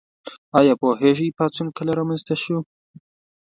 ایا پوهیږئ پاڅون کله رامنځته شو؟